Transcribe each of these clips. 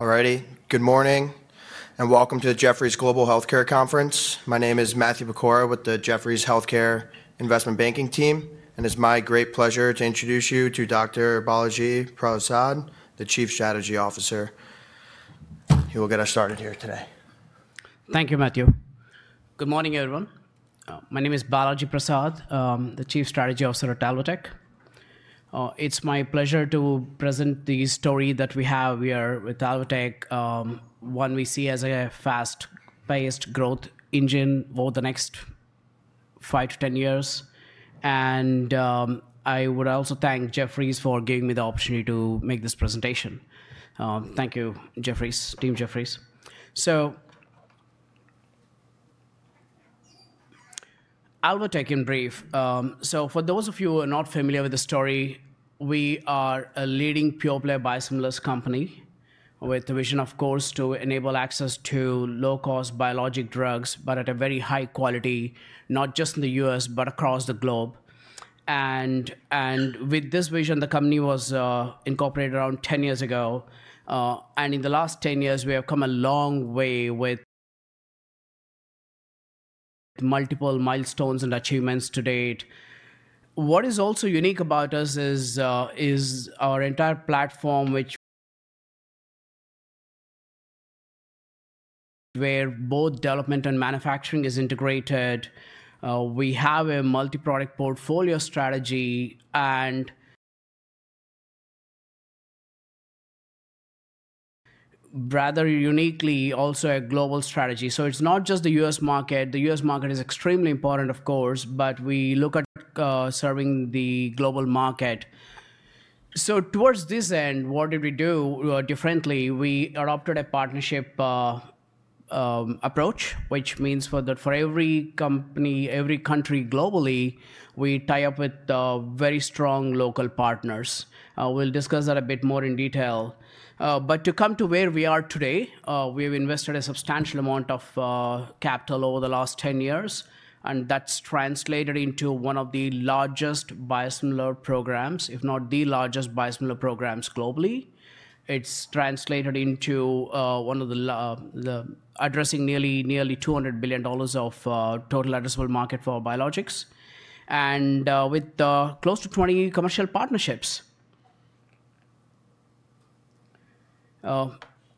Alrighty, good morning and welcome to the Jefferies Global Healthcare Conference. My name is Matthew Pecora with the Jefferies Healthcare Investment Banking Team, and it's my great pleasure to introduce you to Dr. Balaji Prasad, the Chief Strategy Officer. He will get us started here today. Thank you, Matthew. Good morning, everyone. My name is Balaji Prasad, the Chief Strategy Officer at Alvotech. It's my pleasure to present the story that we have here with Alvotech, one we see as a fast-paced growth engine for the next five to 10 years. I would also thank Jefferies for giving me the opportunity to make this presentation. Thank you, Jefferies, Team Jefferies. Alvotech, in brief. For those of you who are not familiar with the story, we are a leading pure-play biosimilars company with the vision, of course, to enable access to low-cost biologic drugs, but at a very high quality, not just in the U.S., but across the globe. With this vision, the company was incorporated around 10 years ago. In the last 10 years, we have come a long way with multiple milestones and achievements to date. What is also unique about us is our entire platform, which where both development and manufacturing is integrated. We have a multi-product portfolio strategy and, rather uniquely, also a global strategy. It is not just the U.S. market. The U.S. market is extremely important, of course, but we look at serving the global market. Towards this end, what did we do differently? We adopted a partnership approach, which means for every company, every country globally, we tie up with very strong local partners. We will discuss that a bit more in detail. To come to where we are today, we have invested a substantial amount of capital over the last 10 years, and that has translated into one of the largest biosimilar programs, if not the largest biosimilar programs globally. It's translated into one of the addressing nearly $200 billion of total addressable market for biologics and with close to 20 commercial partnerships.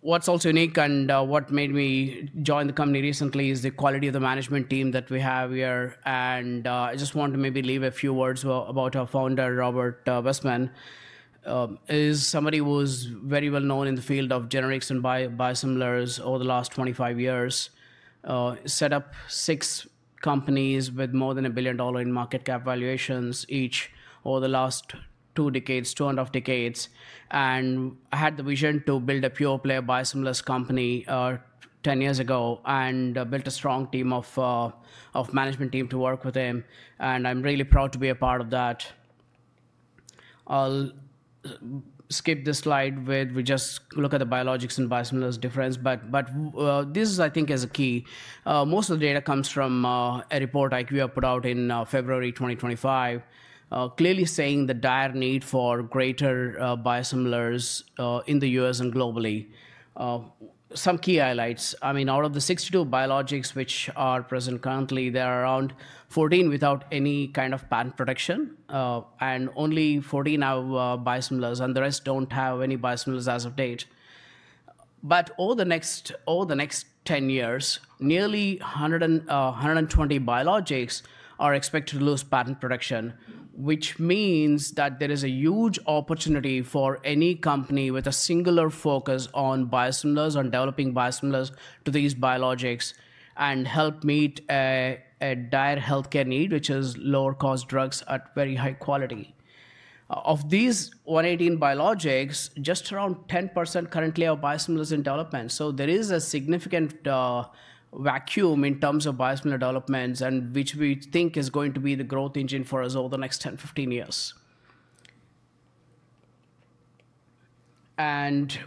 What's also unique and what made me join the company recently is the quality of the management team that we have here. I just want to maybe leave a few words about our founder, Robert Wessman. He is somebody who is very well known in the field of generics and biosimilars over the last 25 years. He set up six companies with more than $1 billion in market cap valuations each over the last two decades, two and a half decades. I had the vision to build a pure-play biosimilars company 10 years ago and built a strong team of management team to work with him. I'm really proud to be a part of that. I'll skip this slide with, we just look at the biologics and biosimilars difference. But this, I think, is a key. Most of the data comes from a report IQVIA have put out in February 2025, clearly saying the dire need for greater biosimilars in the U.S. and globally. Some key highlights. I mean, out of the 62 biologics which are present currently, there are around 14 without any kind of patent protection and only 14 have biosimilars, and the rest don't have any biosimilars as of date. But over the next 10 years, nearly 120 biologics are expected to lose patent protection, which means that there is a huge opportunity for any company with a singular focus on biosimilars and developing biosimilars to these biologics and help meet a dire healthcare need, which is lower-cost drugs at very high quality. Of these 118 biologics, just around 10% currently are biosimilars in development. There is a significant vacuum in terms of biosimilar developments, which we think is going to be the growth engine for us over the next 10-15 years.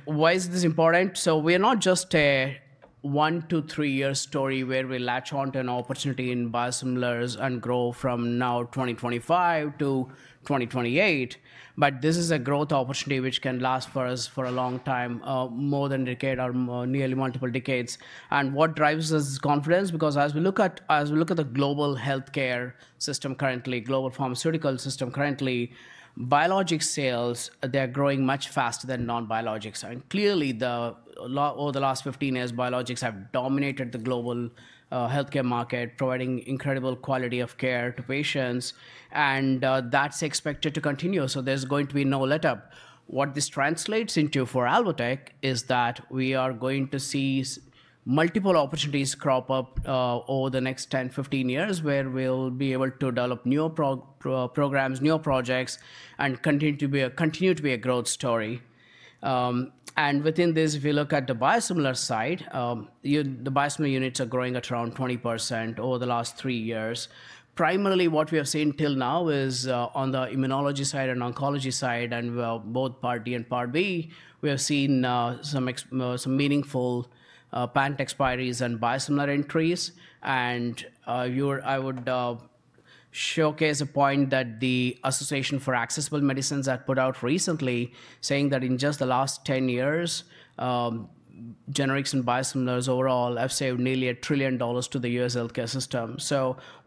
Why is this important? We are not just a one to three-year story where we latch on to an opportunity in biosimilars and grow from now 2025-2028, but this is a growth opportunity which can last for us for a long time, more than a decade or nearly multiple decades. What drives this confidence? As we look at the global healthcare system currently, global pharmaceutical system currently, biologic sales, they're growing much faster than non-biologics. Clearly, over the last 15 years, biologics have dominated the global healthcare market, providing incredible quality of care to patients, and that's expected to continue. There is going to be no let-up. What this translates into for Alvotech is that we are going to see multiple opportunities crop up over the next 10, 15 years where we'll be able to develop new programs, new projects, and continue to be a growth story. Within this, we look at the biosimilar side. The biosimilar units are growing at around 20% over the last three years. Primarily, what we have seen till now is on the immunology side and oncology side, and we are both part D and part B. We have seen some meaningful patent expiries and biosimilar entries. I would showcase a point that the Association for Accessible Medicines had put out recently, saying that in just the last 10 years, generics and biosimilars overall have saved nearly $1 trillion to the U.S. Healthcare System.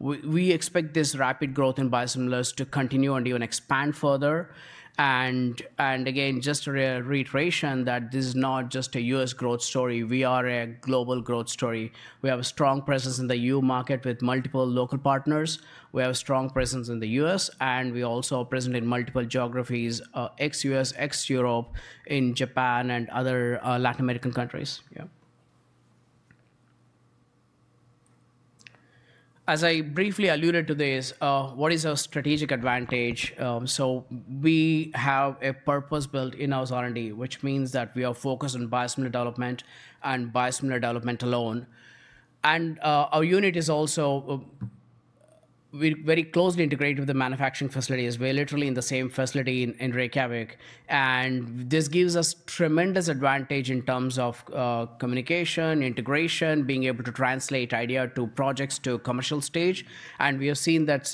We expect this rapid growth in biosimilars to continue and even expand further. Again, just a reiteration that this is not just a U.S. growth story. We are a global growth story. We have a strong presence in the EU market with multiple local partners. We have a strong presence in the U.S., and we also are present in multiple geographies, ex-U.S., ex-Europe, in Japan, and other Latin American countries. Yeah. As I briefly alluded to, what is our strategic advantage? We have a purpose built in our R&D, which means that we are focused on biosimilar development and biosimilar development alone. Our unit is also very closely integrated with the manufacturing facility. We are literally in the same facility in Reykjavik. This gives us tremendous advantage in terms of communication, integration, being able to translate idea to projects to commercial stage. We have seen that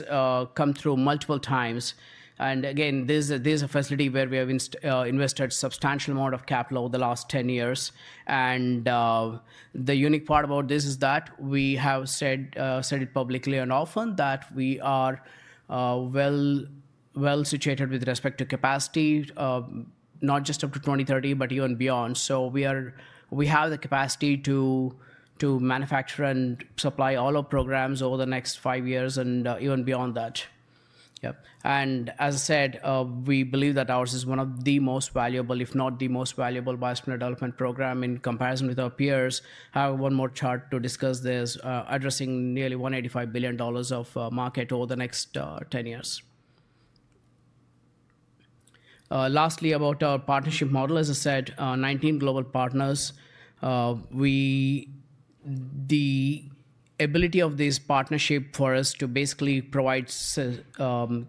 come through multiple times. Again, this is a facility where we have invested a substantial amount of capital over the last 10 years. The unique part about this is that we have said it publicly and often that we are well situated with respect to capacity, not just up to 2030, but even beyond. We have the capacity to manufacture and supply all our programs over the next five years and even beyond that. Yep. As I said, we believe that ours is one of the most valuable, if not the most valuable, biosimilar development programs in comparison with our peers. I have one more chart to discuss this, addressing nearly $185 billion of market over the next 10 years. Lastly, about our partnership model, as I said, 19 global partners. The ability of this partnership for us to basically provide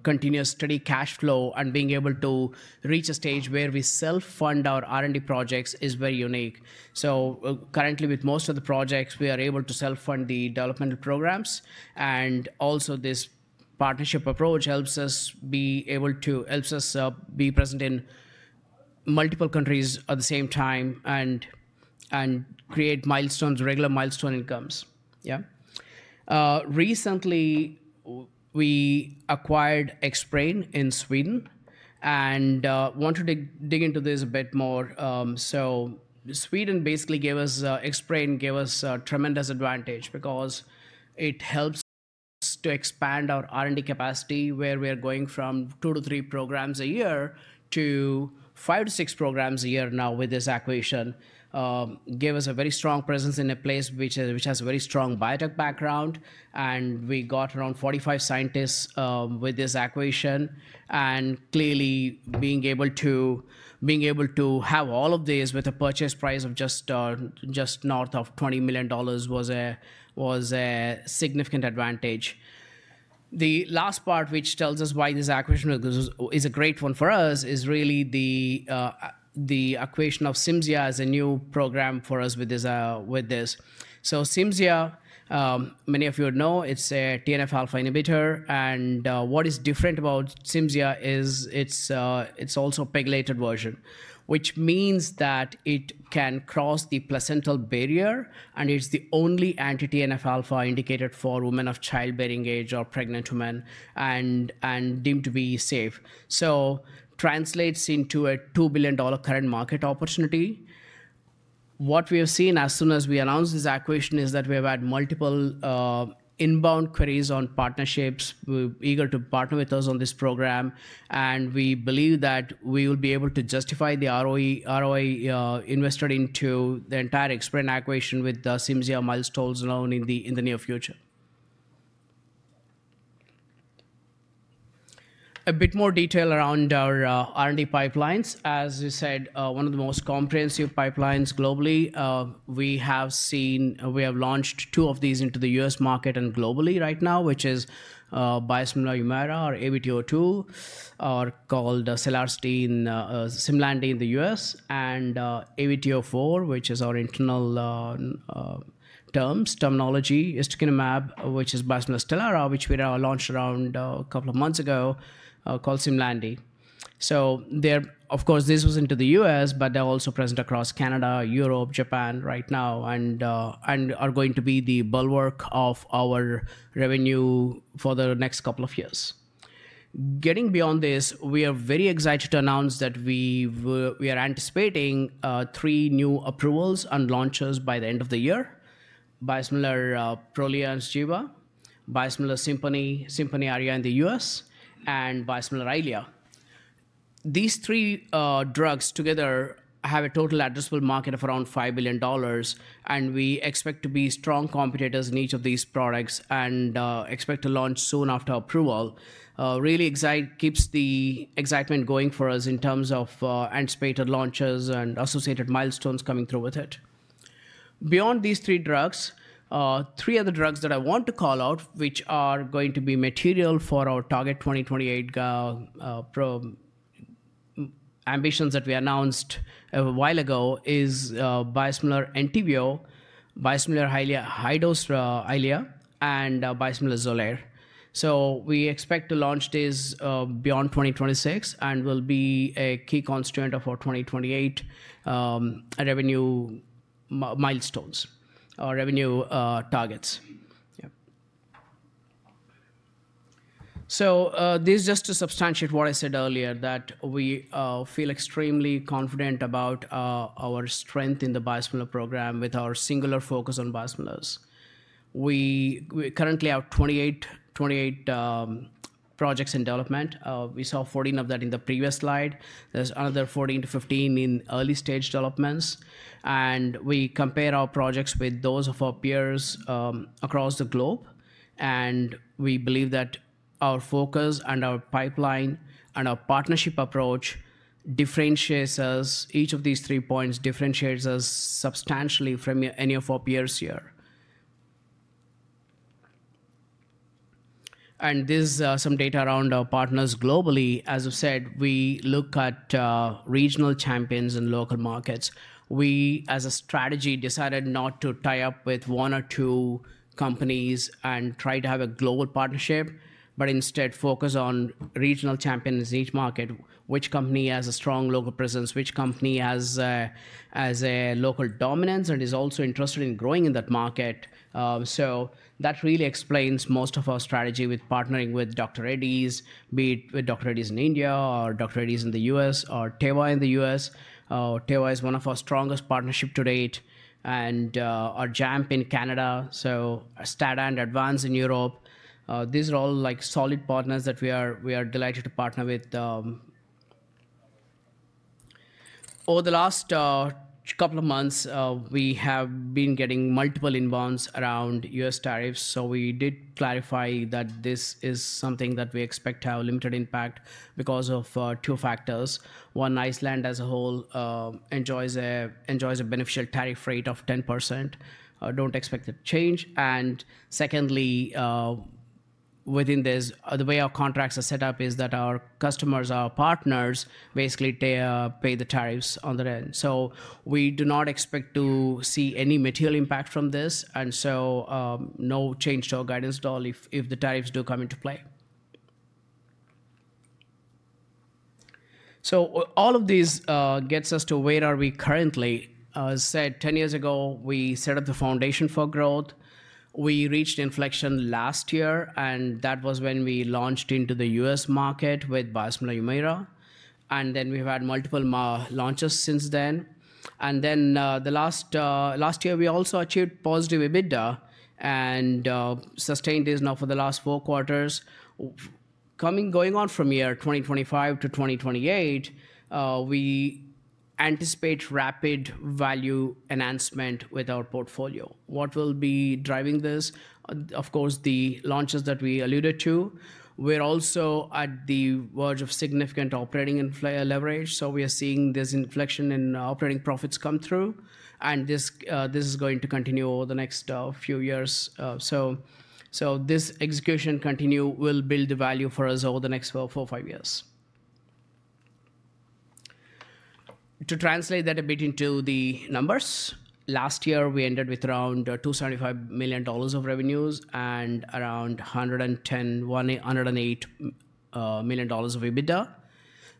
continuous steady cash flow and being able to reach a stage where we self-fund our R&D projects is very unique. Currently, with most of the projects, we are able to self-fund the development programs. Also, this partnership approach helps us be present in multiple countries at the same time and create regular milestone incomes. Yeah. Recently, we acquired Xbrane in Sweden and wanted to dig into this a bit more. Sweden basically gave us Xbrane, gave us a tremendous advantage because it helps to expand our R&D capacity, where we are going from two to three programs a year to five to six programs a year now with this acquisition, gave us a very strong presence in a place which has a very strong biotech background. We got around 45 scientists with this acquisition. Clearly, being able to have all of this with a purchase price of just north of $20 million was a significant advantage. The last part, which tells us why this acquisition is a great one for us, is really the acquisition of CIMZIA as a new program for us with this. CIMZIA, many of you would know, is a TNF-alpha inhibitor. What is different about CIMZIA is it is also a PEGylated version, which means that it can cross the placental barrier, and it is the only anti-TNF-alpha indicated for women of child-bearing age or pregnant women and deemed to be safe. It translates into a $2 billion current market opportunity. What we have seen as soon as we announced this acquisition is that we have had multiple inbound queries on partnerships eager to partner with us on this program. We believe that we will be able to justify the ROI invested into the entire Xbrane acquisition with the CIMZIA milestones alone in the near future. A bit more detail around our R&D pipelines. As you said, one of the most comprehensive pipelines globally. We have seen we have launched two of these into the U.S. market and globally right now, which is biosimilar HUMIRA or AVT02, called SELARSDI and SIMLANDI in the U.S., and AVT04, which is our internal terms, terminology, is to kind of map, which is biosimilar STELARA, which we launched around a couple of months ago, called SIMLANDI. Of course, this was into the U.S., but they're also present across Canada, Europe, Japan right now, and are going to be the bulwark of our revenue for the next couple of years. Getting beyond this, we are very excited to announce that we are anticipating three new approvals and launches by the end of the year: biosimilar Prolia and SIMLANDI, biosimilar SIMPONI ARIA in the U.S., and biosimilar EYLEA. These three drugs together have a total addressable market of around $5 billion, and we expect to be strong competitors in each of these products and expect to launch soon after approval. Really excited, keeps the excitement going for us in terms of anticipated launches and associated milestones coming through with it. Beyond these three drugs, three other drugs that I want to call out, which are going to be material for our target 2028 ambitions that we announced a while ago, is biosimilar ENTYVIO, biosimilar high-dose EYLEA and biosimilar XOLAIR. We expect to launch this beyond 2026 and will be a key constraint of our 2028 revenue milestones or revenue targets. Yep. This is just to substantiate what I said earlier, that we feel extremely confident about our strength in the biosimilar program with our singular focus on biosimilars. We currently have 28 projects in development. We saw 14 of that in the previous slide. There is another 14-15 in early stage developments. We compare our projects with those of our peers across the globe. We believe that our focus and our pipeline and our partnership approach differentiates us. Each of these three points differentiates us substantially from any of our peers here. This is some data around our partners globally. As I've said, we look at regional champions and local markets. We, as a strategy, decided not to tie up with one or two companies and try to have a global partnership, but instead focus on regional champions in each market, which company has a strong local presence, which company has a local dominance and is also interested in growing in that market. That really explains most of our strategy with partnering with Dr. Reddy's, be it with Dr. Reddy's in India or Dr. Reddy's in the U.S. or Teva in the U.S. Teva is one of our strongest partnerships to date, and our JAMP in Canada, STADA and Advanz in Europe. These are all solid partners that we are delighted to partner with. Over the last couple of months, we have been getting multiple inbounds around U.S. tariffs. We did clarify that this is something that we expect to have a limited impact because of two factors. One, Iceland as a whole enjoys a beneficial tariff rate of 10%. Do not expect a change. Secondly, within this, the way our contracts are set up is that our customers, our partners, basically pay the tariffs on the end. We do not expect to see any material impact from this. No change to our guidance at all if the tariffs do come into play. All of this gets us to where are we currently. As I said, 10 years ago, we set up the foundation for growth. We reached inflection last year, and that was when we launched into the U.S. market with biosimilar HUMIRA. We have had multiple launches since then. Last year, we also achieved positive EBITDA and sustained this now for the last four quarters. Going on from year 2025-2028, we anticipate rapid value enhancement with our portfolio. What will be driving this? Of course, the launches that we alluded to. We are also at the verge of significant operating leverage. We are seeing this inflection in operating profits come through. This is going to continue over the next few years. This execution will continue to build the value for us over the next four or five years. To translate that a bit into the numbers, last year, we ended with around $275 million of revenues and around $108 million of EBITDA.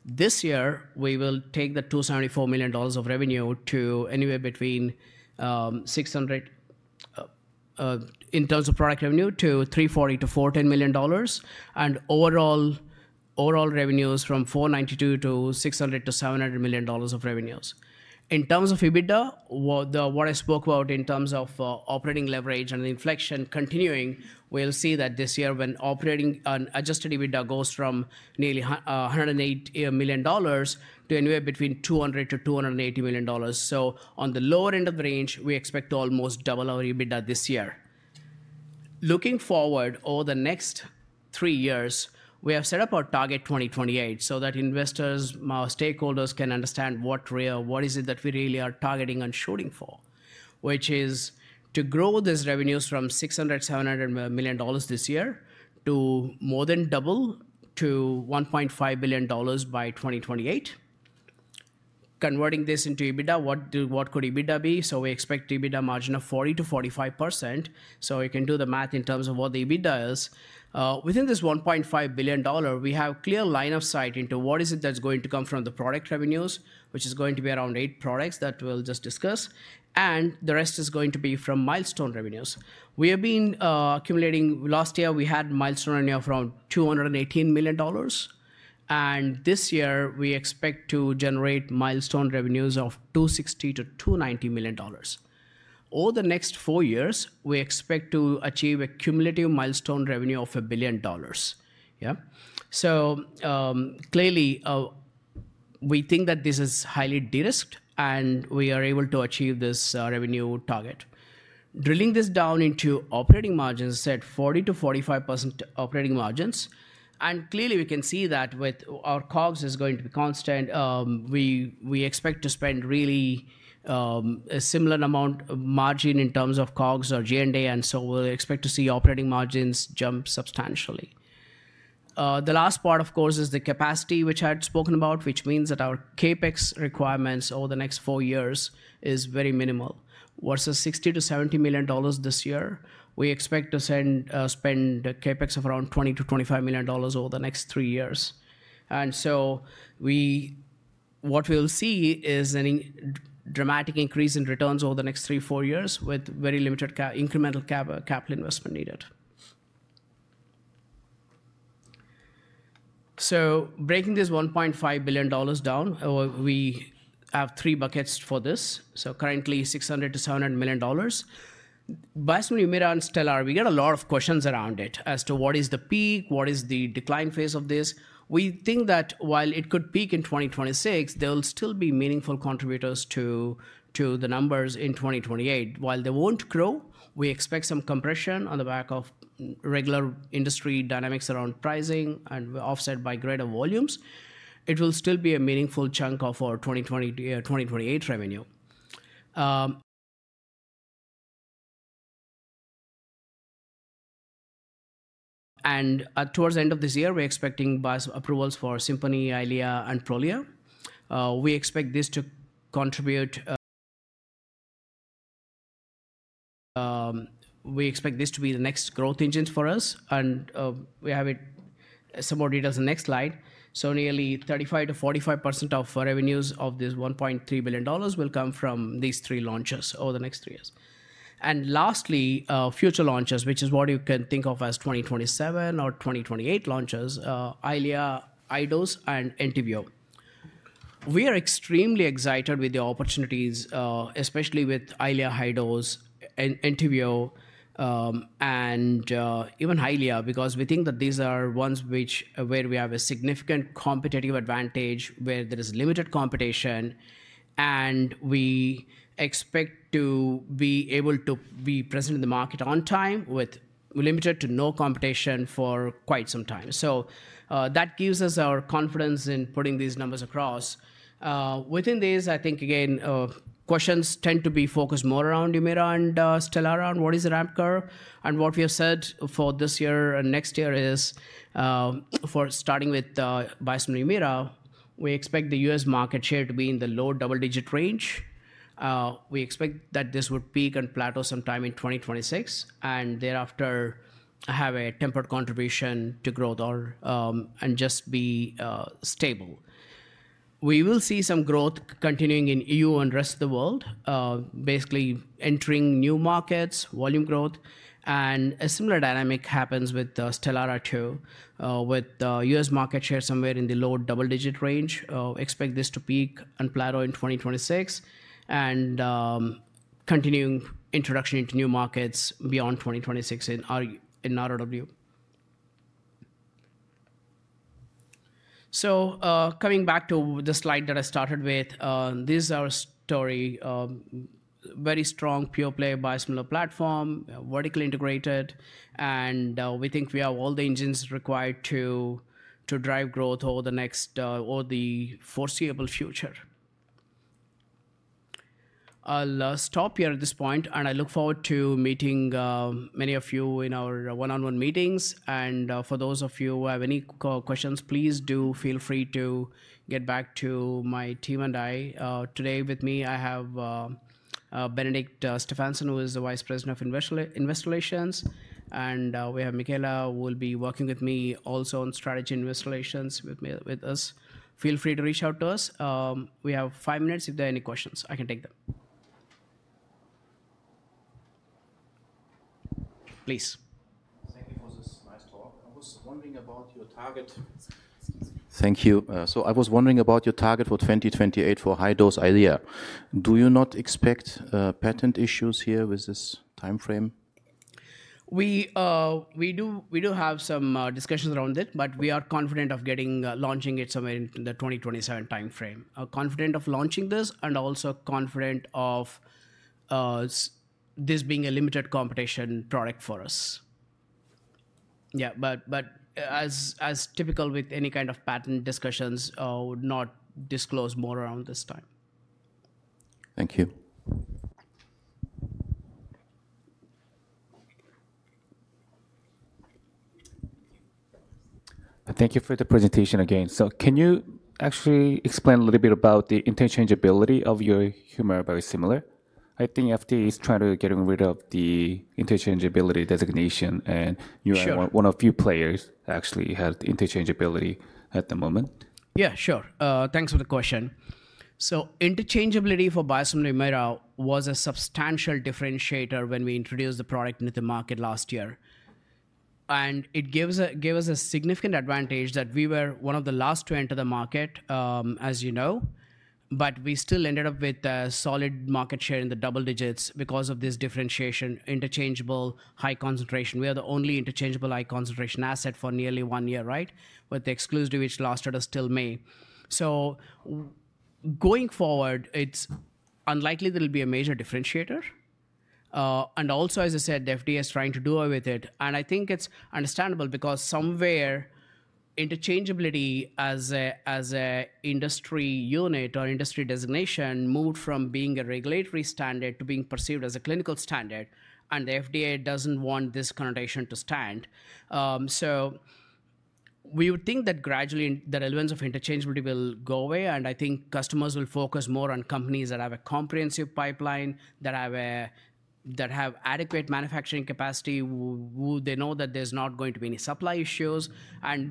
This year, we will take the $274 million of revenue to anywhere between $600 million in terms of product revenue to $340 million-$410 million, and overall revenues from $492 million to $600 million-$700 million of revenues. In terms of EBITDA, what I spoke about in terms of operating leverage and inflection continuing, we'll see that this year when operating and adjusted EBITDA goes from nearly $108 million to anywhere between $200-$280 million. On the lower end of the range, we expect to almost double our EBITDA this year. Looking forward over the next three years, we have set up our target 2028 so that investors, stakeholders can understand what is it that we really are targeting and shooting for, which is to grow these revenues from $600 million-$700 million this year to more than double to $1.5 billion by 2028. Converting this into EBITDA, what could EBITDA be? We expect EBITDA margin of 40%-45%. We can do the math in terms of what the EBITDA is. Within this $1.5 billion, we have a clear line of sight into what is it that's going to come from the product revenues, which is going to be around eight products that we just discussed. The rest is going to be from milestone revenues. We have been accumulating, last year, we had milestone revenue of around $218 million. This year, we expect to generate milestone revenues of $260 million-$290 million. Over the next four years, we expect to achieve a cumulative milestone revenue of $1 billion. Yeah. Clearly, we think that this is highly de-risked, and we are able to achieve this revenue target. Drilling this down into operating margins, said 40%-45% operating margins. Clearly, we can see that with our COGS is going to be constant. We expect to spend really a similar amount of margin in terms of COGS or G&A. We will expect to see operating margins jump substantially. The last part, of course, is the capacity, which I had spoken about, which means that our CapEx requirements over the next four years is very minimal. Versus $60 million-$70 million this year, we expect to spend CapEx of around $20 million-$25 million over the next three years. What we will see is a dramatic increase in returns over the next three, four years with very limited incremental capital investment needed. Breaking this $1.5 billion down, we have three buckets for this. Currently, $600 million-$700 million. Biosimilar HUMIRA and STELARA, we get a lot of questions around it as to what is the peak, what is the decline phase of this. We think that while it could peak in 2026, there will still be meaningful contributors to the numbers in 2028. While they won't grow, we expect some compression on the back of regular industry dynamics around pricing and offset by greater volumes. It will still be a meaningful chunk of our 2028 revenue. Towards the end of this year, we're expecting approvals for SIMPONI, EYLEA, and Prolia. We expect this to contribute, we expect this to be the next growth engines for us. We have some more details in the next slide. Nearly 35%-45% of revenues of this $1.3 billion will come from these three launches over the next three years. Lastly, future launches, which is what you can think of as 2027 or 2028 launches, EYLEA High-Dose, and ENTYVIO. We are extremely excited with the opportunities, especially with EYLEA High-Dose, ENTYVIO, and even EYLEA, because we think that these are ones where we have a significant competitive advantage where there is limited competition. We expect to be able to be present in the market on time with limited to no competition for quite some time. That gives us our confidence in putting these numbers across. Within these, I think, again, questions tend to be focused more around HUMIRA and STELARA on what is the ramp curve. What we have said for this year and next year is, starting with biosimilar HUMIRA, we expect the U.S. market share to be in the low double-digit range. We expect that this would peak and plateau sometime in 2026. Thereafter, have a tempered contribution to growth and just be stable. We will see some growth continuing in the EU and rest of the world, basically entering new markets, volume growth. A similar dynamic happens with STELARA too, with the U.S. market share somewhere in the low double-digit range. Expect this to peak and plateau in 2026 and continuing introduction into new markets beyond 2026 in [narrow] review. Coming back to the slide that I started with, this is our story. Very strong pure-play biosimilar platform, vertically integrated. We think we have all the engines required to drive growth over the next or the foreseeable future. I'll stop here at this point, and I look forward to meeting many of you in our one-on-one meetings. For those of you who have any questions, please do feel free to get back to my team and I. Today with me, I have Benedikt Stefansson, who is the Vice President of investor relations. and we have Mikaela, who will be working with me also on strategy and investor relations with us. Feel free to reach out to us. We have five minutes. If there are any questions, I can take them. Please. Thank you for this nice talk. I was wondering about your target. Thank you. I was wondering about your target for 2028 for High-Dose EYLEA. Do you not expect patent issues here with this timeframe? We do have some discussions around it, but we are confident of launching it somewhere in the 2027 timeframe. Confident of launching this and also confident of this being a limited competition product for us. Yeah, as typical with any kind of patent discussions, I would not disclose more around this time. Thank you. Thank you for the presentation again. So can you actually explain a little bit about the interchangeability of your HUMIRA biosimilar? I think FDA is trying to get rid of the interchangeability designation. And you are one of the few players that actually have the interchangeability at the moment. Yeah, sure. Thanks for the question. So interchangeability for biosimilar HUMIRA was a substantial differentiator when we introduced the product into the market last year. And it gave us a significant advantage that we were one of the last to enter the market, as you know. But we still ended up with a solid market share in the double-digits because of this differentiation, interchangeable, high-concentration. We are the only interchangeable high concentration asset for nearly one year, right? With the exclusive which lasted us till May. So going forward, it's unlikely that it'll be a major differentiator. Also, as I said, the FDA is trying to do away with it. I think it's understandable because somewhere interchangeability as an industry unit or industry designation moved from being a regulatory standard to being perceived as a clinical standard. The FDA doesn't want this connotation to stand. We would think that gradually the relevance of interchangeability will go away. I think customers will focus more on companies that have a comprehensive pipeline, that have adequate manufacturing capacity, who they know that there's not going to be any supply issues.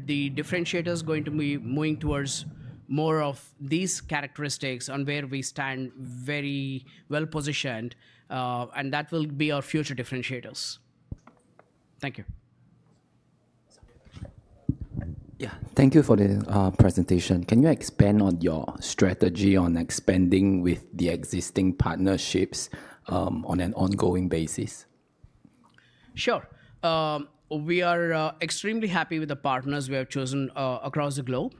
The differentiator is going to be moving towards more of these characteristics on where we stand very well positioned. That will be our future differentiators. Thank you. Yeah, thank you for the presentation. Can you expand on your strategy on expanding with the existing partnerships on an ongoing basis? Sure. We are extremely happy with the partners we have chosen across the globe.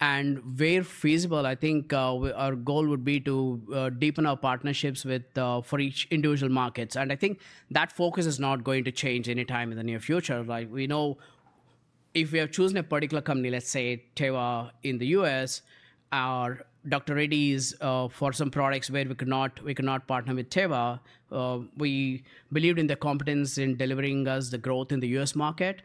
Where feasible, I think our goal would be to deepen our partnerships for each individual market. I think that focus is not going to change anytime in the near future. We know if we have chosen a particular company, let's say Teva in the U.S., or Dr. Reddy's for some products where we could not partner with Teva, we believed in their competence in delivering us the growth in the U.S. market.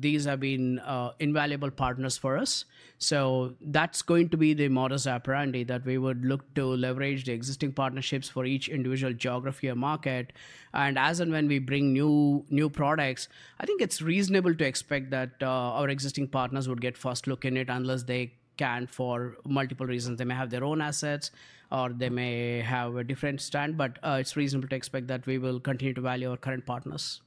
These have been invaluable partners for us. That is going to be the modus operandi that we would look to leverage the existing partnerships for each individual geography or market. As and when we bring new products, I think it's reasonable to expect that our existing partners would get first look in it unless they cannot for multiple reasons. They may have their own assets or they may have a different stand. It's reasonable to expect that we will continue to value our current partners.